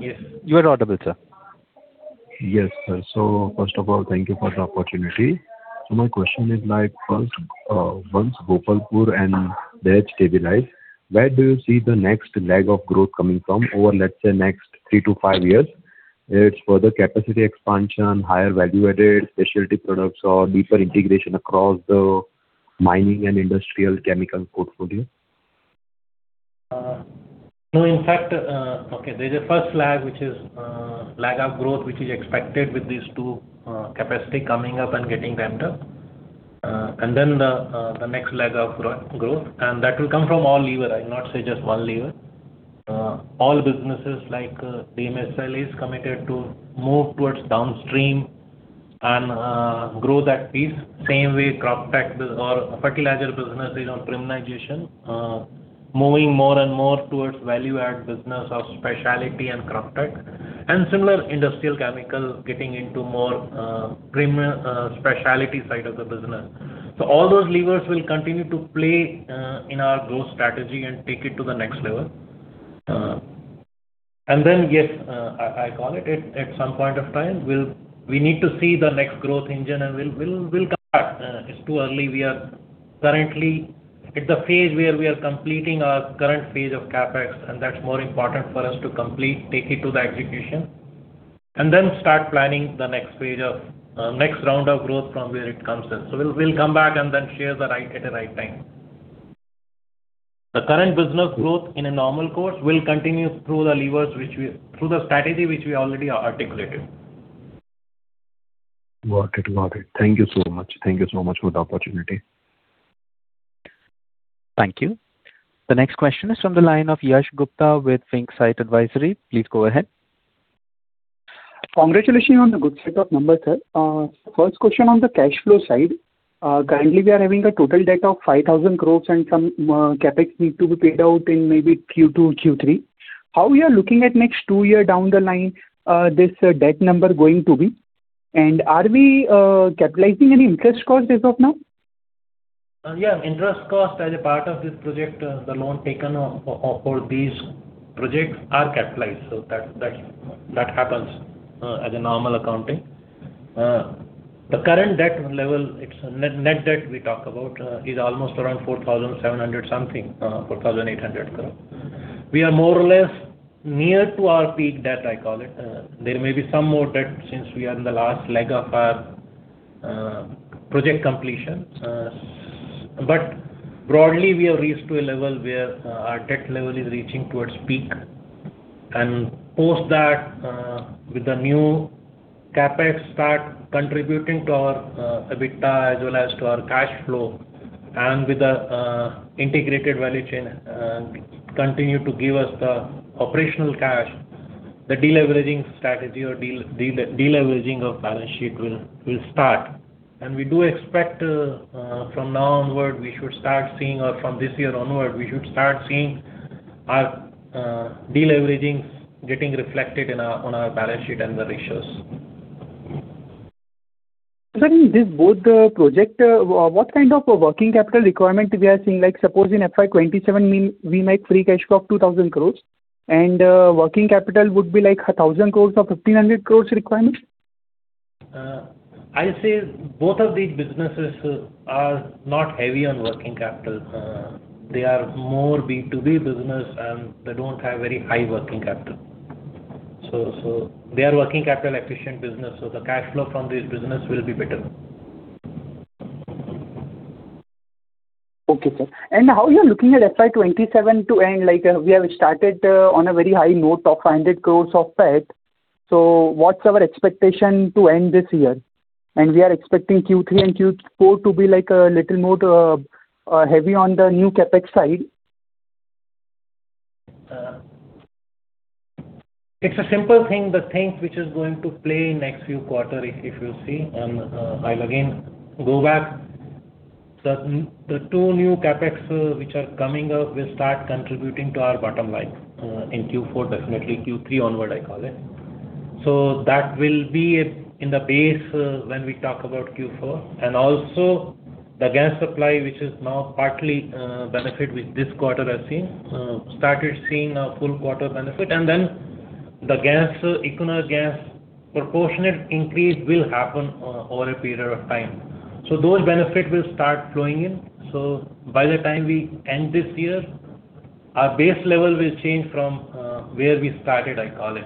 Yes. You are audible, sir. Yes, sir. First of all, thank you for the opportunity. My question is, first, once Gopalpur and Dahej stabilize, where do you see the next leg of growth coming from over, let's say, next three to five years? It's further capacity expansion, higher value-added specialty products, or deeper integration across the mining and industrial chemical portfolio? No, in fact. Okay. There is a first leg, which is leg of growth, which is expected with these two capacity coming up and getting ramped up. The next leg of growth, that will come from all levers. I will not say just one lever. All businesses, like DMSL, is committed to move towards downstream and grow that piece. Same way, Croptek or fertilizer business is on premiumization, moving more and more towards value-add business of specialty and Croptek, and similar industrial chemical getting into more premium specialty side of the business. All those levers will continue to play in our growth strategy and take it to the next level. Yes, I call it, at some point of time, we need to see the next growth engine, and we will come back. It is too early. We are currently at the phase where we are completing our current phase of CapEx, and that is more important for us to complete, take it to the execution. Start planning the next phase of next round of growth from where it comes in. We will come back and then share at the right time. The current business growth in a normal course will continue through the levers, through the strategy which we already articulated. Got it. Thank you so much. Thank you so much for the opportunity. Thank you. The next question is from the line of Yash Gupta with Think Site Advisory. Please go ahead. Congratulations on the good set of numbers, sir. First question on the cash flow side. Currently, we are having a total debt of 5,000 crore and some CapEx need to be paid out in maybe Q2, Q3. How we are looking at next two year down the line, this debt number going to be? Are we capitalizing any interest cost as of now? Yeah, interest cost as a part of this project, the loan taken for these projects are capitalized. That happens as a normal accounting. The current debt level, net debt we talk about is almost around 4,700 something, 4,800 crore. We are more or less near to our peak debt, I call it. There may be some more debt since we are in the last leg of our project completion. Broadly, we have reached to a level where our debt level is reaching towards peak. Post that, with the new CapEx start contributing to our EBITDA as well as to our cash flow and with the integrated value chain continue to give us the operational cash, the deleveraging strategy or deleveraging of balance sheet will start. We do expect from now onward, we should start seeing or from this year onward, we should start seeing our deleveraging getting reflected on our balance sheet and the ratios. Sir, in this both project, what kind of a working capital requirement we are seeing? Like suppose in FY 2027, we make free cash flow of 2,000 crore and working capital would be like 1,000 crore or 1,500 crore requirement. I'll say both of these businesses are not heavy on working capital. They are more B2B business. They don't have very high working capital. They are working capital efficient business, so the cash flow from this business will be better. Okay, sir. How you are looking at FY 2027 to end? We have started on a very high note of 100 crores of PAT. What's our expectation to end this year? We are expecting Q3 and Q4 to be like a little more heavy on the new CapEx side. It's a simple thing, the thing which is going to play next few quarter, if you see. I'll again go back. The two new CapEx which are coming up will start contributing to our bottom line in Q4, definitely Q3 onward, I call it. That will be in the base when we talk about Q4. Also the gas supply, which is now partly benefit with this quarter as seen, started seeing a full quarter benefit. Then the Equinor gas proportionate increase will happen over a period of time. Those benefits will start flowing in. By the time we end this year, our base level will change from where we started, I call it.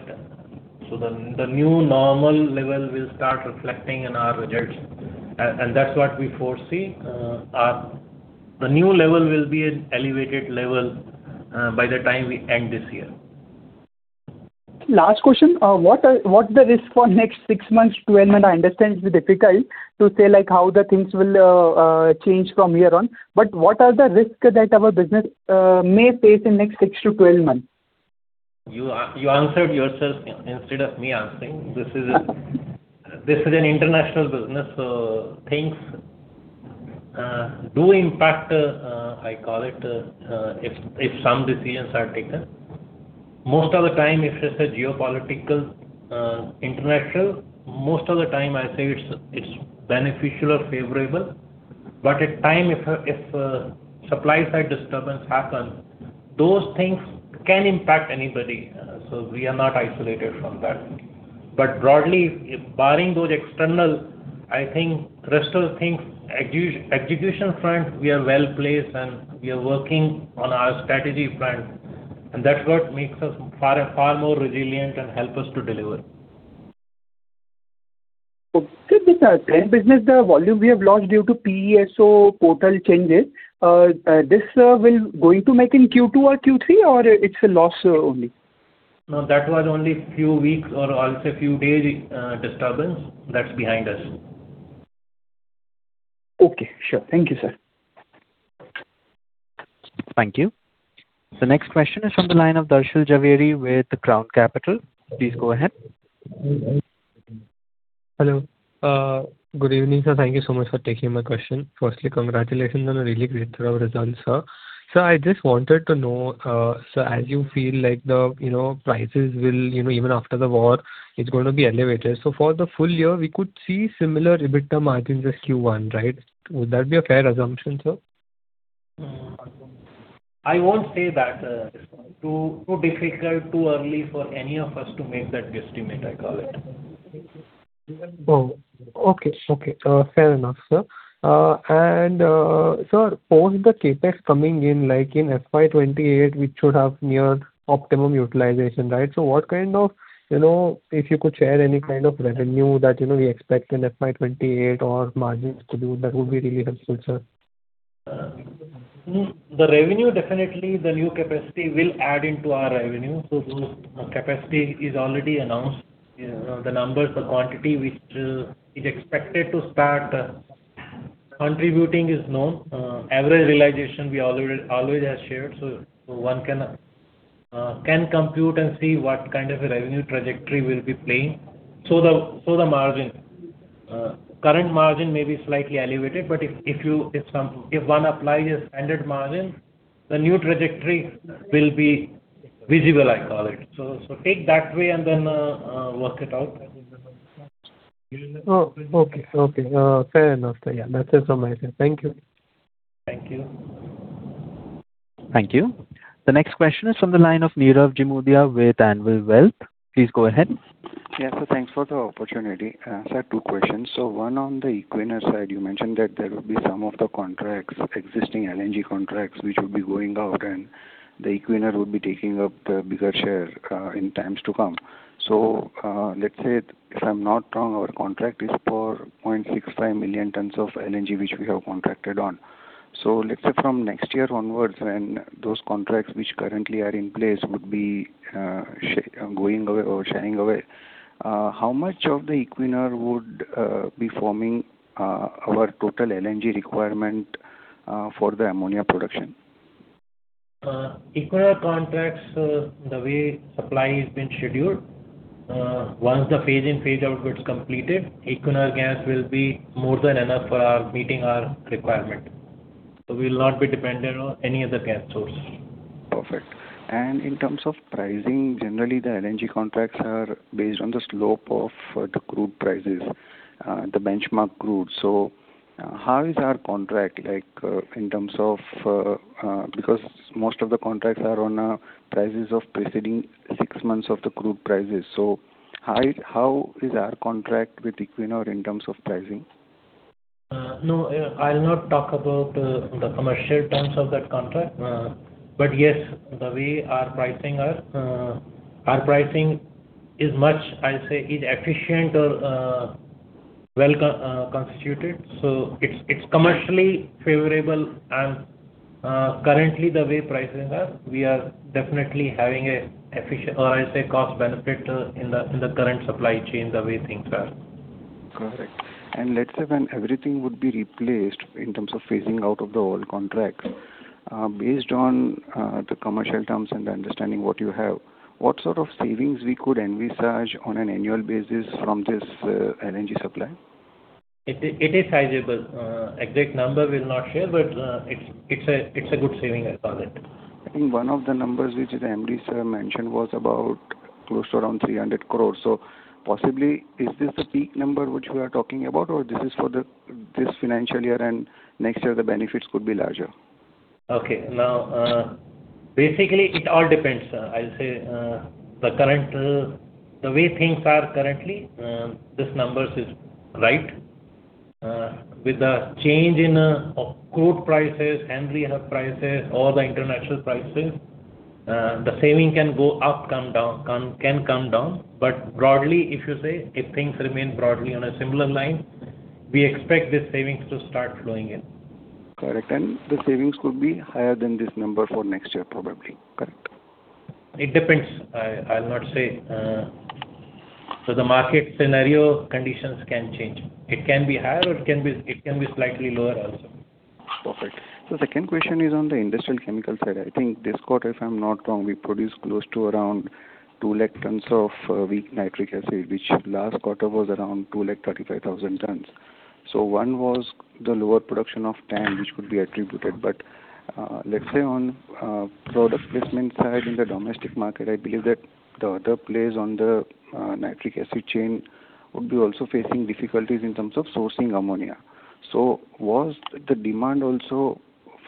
The new normal level will start reflecting in our results. That's what we foresee. The new level will be an elevated level by the time we end this year. Last question. What the risk for next six months to 12 months? I understand it's difficult to say how the things will change from here on. What are the risks that our business may face in next 6-12 months? You answered yourself instead of me answering. This is an international business, things do impact, I call it, if some decisions are taken. Most of the time, if it's a geopolitical international, most of the time I say it's beneficial or favorable. At time, if supply side disturbance happen, those things can impact anybody. We are not isolated from that. Broadly, barring those external, I think rest of things, execution front, we are well-placed, and we are working on our strategy front, and that's what makes us far more resilient and help us to deliver. Okay. With our TAN business, the volume we have lost due to PESO portal changes, this will going to make in Q2 or Q3, or it's a loss only? No, that was only few weeks or I'll say few days disturbance. That's behind us. Okay, sure. Thank you, sir. Thank you. The next question is from the line of Darshan Jhaveri with Crown Capital. Please go ahead. Hello. Good evening, sir. Thank you so much for taking my question. Firstly, congratulations on a really great set of results, sir. Sir, I just wanted to know, as you feel like the prices will even after the war, it's going to be elevated. For the full-year, we could see similar EBITDA margins as Q1, right? Would that be a fair assumption, sir? I won't say that. Too difficult, too early for any of us to make that guesstimate, I call it. Okay. Fair enough, sir. Sir, post the CapEx coming in, like in FY 2028, we should have near optimum utilization, right? What kind of, if you could share any kind of revenue that we expect in FY 2028 or margins to do, that would be really helpful, sir? The revenue, definitely, the new capacity will add into our revenue. The capacity is already announced. The numbers, the quantity which is expected to start contributing is known. Average realization we always have shared, so one can compute and see what kind of a revenue trajectory we'll be playing. The margin. Current margin may be slightly elevated, but if one applies a standard margin, the new trajectory will be visible, I call it. Take that way and then work it out. Oh, okay. Fair enough, sir. Yeah, that's it from my side. Thank you. Thank you. Thank you. The next question is from the line of Nirav Jimodia with Anvil Wealth. Please go ahead. Yeah. Thanks for the opportunity. I just have two questions. One on the Equinor side, you mentioned that there will be some of the existing LNG contracts which would be going out and Equinor would be taking up the bigger share, in times to come. Let's say, if I'm not wrong, our contract is for 0.65 million tons of LNG, which we have contracted on. Let's say from next year onwards, when those contracts which currently are in place would be going away or phasing away, how much of Equinor would be forming our total LNG requirement for the ammonia production? Equinor contracts, the way supply has been scheduled, once the phase in/phase out gets completed, Equinor gas will be more than enough for meeting our requirement. We'll not be dependent on any other gas source. Perfect. In terms of pricing, generally, the LNG contracts are based on the slope of the crude prices, the benchmark crude. How is our contract like in terms of Because most of the contracts are on a prices of preceding six months of the crude prices. How is our contract with Equinor in terms of pricing? No, I'll not talk about the commercial terms of that contract. Yes, the way our pricing are, our pricing is much, I'll say, is efficient or well constituted. It's commercially favorable, currently the way prices are, we are definitely having a efficient or I say cost benefit in the current supply chain the way things are. Let's say when everything would be replaced in terms of phasing out of the old contracts, based on the commercial terms and the understanding what you have, what sort of savings we could envisage on an annual basis from this LNG supply? It is sizable. Exact number we'll not share, but it's a good saving, I call it. I think one of the numbers which the MD sir mentioned was about close to around 300 crore. Possibly, is this the peak number which we are talking about, or this is for this financial year and next year the benefits could be larger? Okay. Now, basically, it all depends. I'll say the way things are currently, this numbers is right. With the change in crude prices, Henry Hub prices, all the international prices, the saving can go up, can come down. But broadly, if you say, if things remain broadly on a similar line, we expect this savings to start flowing in. Correct. The savings could be higher than this number for next year probably, correct? It depends. I'll not say. The market scenario conditions can change. It can be higher, or it can be slightly lower also. Perfect. Second question is on the industrial chemical side. I think this quarter, if I'm not wrong, we produced close to around 200,000 tons of weak nitric acid, which last quarter was around 235,000 tons. One was the lower production of TAN which could be attributed. Let's say on product placement side in the domestic market, I believe that the other players on the nitric acid chain would be also facing difficulties in terms of sourcing ammonia. Was the demand also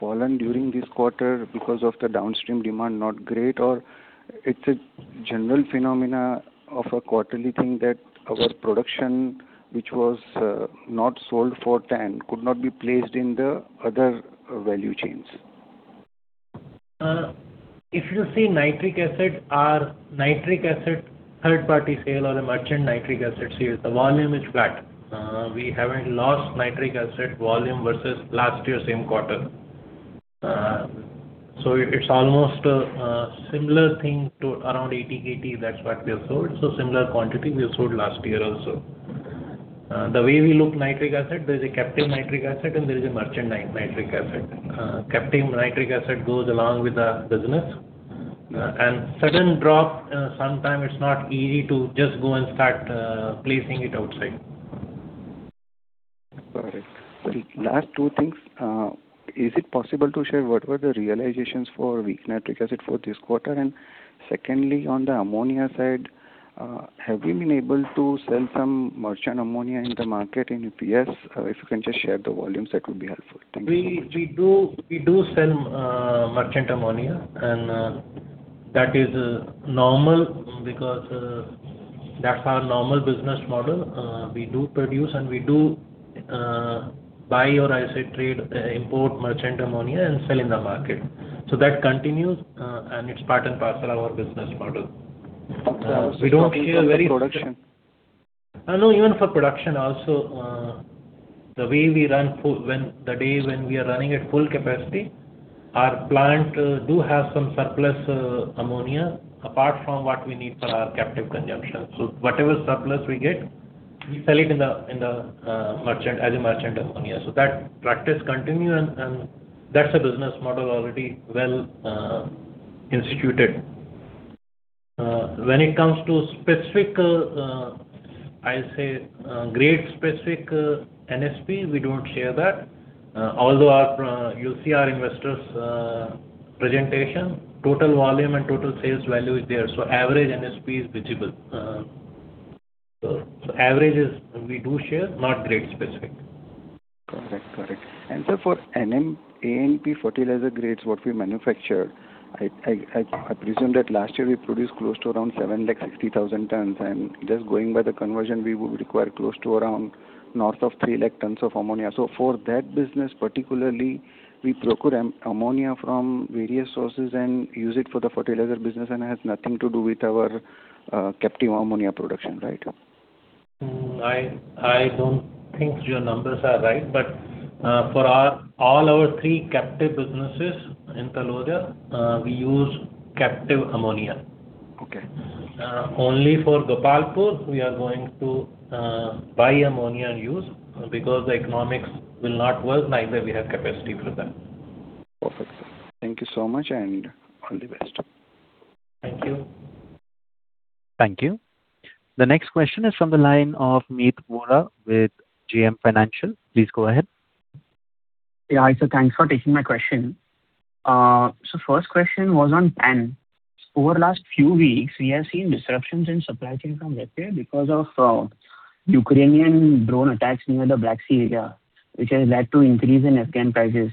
fallen during this quarter because of the downstream demand not great, or it's a general phenomenon of a quarterly thing that our production, which was not sold for TAN could not be placed in the other value chains? If you see nitric acid, our nitric acid third party sale or the merchant nitric acid sales, the volume is flat. We haven't lost nitric acid volume versus last year same quarter. It's almost a similar thing to around 80/20. That's what we have sold. Similar quantity we have sold last year also. The way we look nitric acid, there's a captive nitric acid and there is a merchant nitric acid. Captive nitric acid goes along with the business. Sudden drop, sometimes it's not easy to just go and start placing it outside. Got it. Last two things. Is it possible to share what were the realizations for weak nitric acid for this quarter? Secondly, on the ammonia side, have you been able to sell some merchant ammonia in the market? And if yes, if you can just share the volumes, that would be helpful. Thank you so much. We do sell merchant ammonia. That is normal because that's our normal business model. We do produce and we do buy or I say trade, import merchant ammonia and sell in the market. That continues, and it's part and parcel of our business model. For production. No, even for production also, the days when we are running at full capacity, our plant do have some surplus ammonia apart from what we need for our captive consumption. Whatever surplus we get, we sell it as a merchant ammonia. That practice continue and that's a business model already well instituted. When it comes to grade specific NSP, we don't share that. Although you'll see our investors presentation, total volume and total sales value is there, so average NSP is visible. Averages we do share, not grade specific. Correct. For NPK fertilizer grades, what we manufacture, I presume that last year we produced close to around 760,000 tons. Just going by the conversion, we would require close to around north of 300,000 tons of ammonia. For that business particularly, we procure ammonia from various sources and use it for the fertilizer business, and has nothing to do with our captive ammonia production, right? I don't think your numbers are right. For all our three captive businesses in Taloja, we use captive ammonia. Okay. Only for Gopalpur we are going to buy ammonia and use, because the economics will not work, neither we have capacity for that. Perfect. Thank you so much, and all the best. Thank you. Thank you. The next question is from the line of Meet Vora with JM Financial. Please go ahead. Sir, thanks for taking my question. First question was on TAN. Over last few weeks, we have seen disruptions in supply chain from Russia because of Ukrainian drone attacks near the Black Sea area, which has led to increase in AN prices.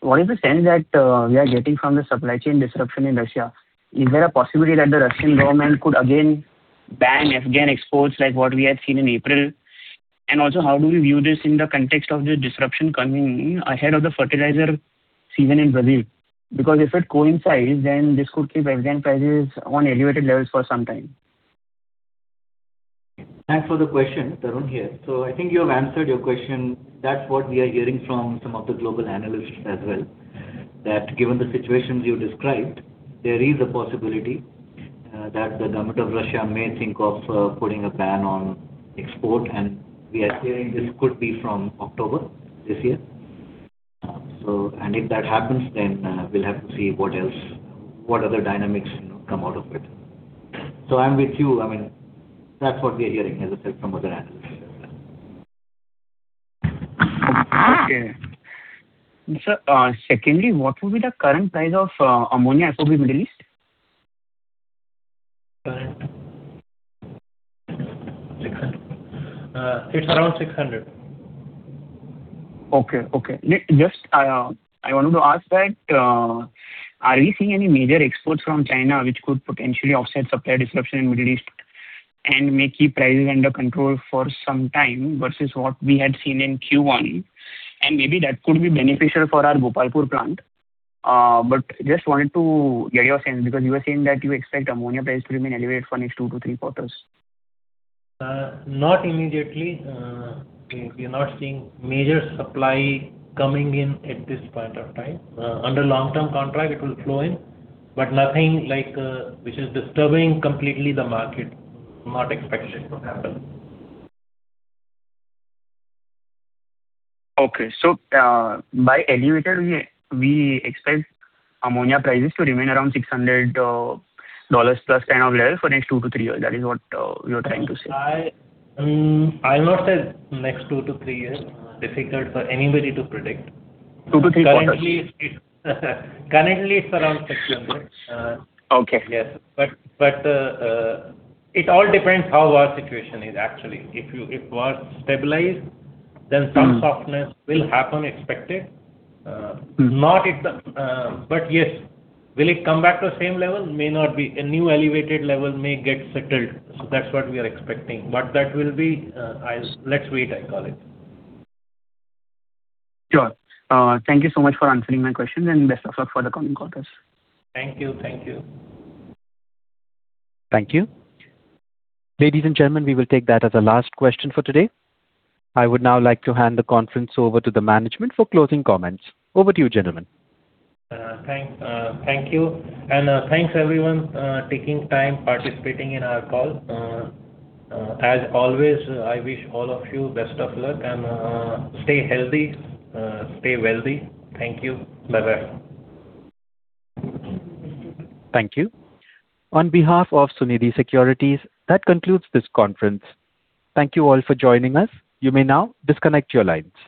What is the sense that we are getting from the supply chain disruption in Russia? Is there a possibility that the Russian government could again ban AN exports like what we had seen in April? How do we view this in the context of the fertilizer season in Brazil? If it coincides, then this could keep AN prices on elevated levels for some time. Thanks for the question. Tarun here. I think you have answered your question. That's what we are hearing from some of the global analysts as well, that given the situations you described, there is a possibility that the government of Russia may think of putting a ban on export. We are hearing this could be from October this year. If that happens, then we'll have to see what other dynamics come out of it. I'm with you. That's what we are hearing as I said from other analysts as well. Okay. Sir, secondly, what will be the current price of ammonia FOB Middle East? It's around $600. Okay. Just I wanted to ask that, are we seeing any major exports from China which could potentially offset supply disruption in Middle East and may keep prices under control for some time versus what we had seen in Q1? Maybe that could be beneficial for our Gopalpur plant. Just wanted to get your sense, because you were saying that you expect ammonia price to remain elevated for next two to three quarters. Not immediately. We are not seeing major supply coming in at this point of time. Under long-term contract, it will flow in, but nothing which is disturbing completely the market. Not expected to happen. By elevated, we expect ammonia prices to remain around $600+ kind of level for next two to three years. That is what you are trying to say? I'll not say next two to three years. Difficult for anybody to predict. Two to three quarters. Currently, it's around $600. Okay. Yes. It all depends how war situation is actually. If war stabilizes, then some softness will happen, expected. Yes, will it come back to the same level? May not be. A new elevated level may get settled, that's what we are expecting. That will be, let's wait, I call it. Sure. Thank you so much for answering my questions and best of luck for the coming quarters. Thank you. Thank you. Ladies and gentlemen, we will take that as the last question for today. I would now like to hand the conference over to the management for closing comments. Over to you, gentlemen. Thank you. Thanks everyone taking time participating in our call. As always, I wish all of you best of luck and stay healthy, stay wealthy. Thank you. Bye-bye. Thank you. On behalf of Sunidhi Securities, that concludes this conference. Thank you all for joining us. You may now disconnect your line.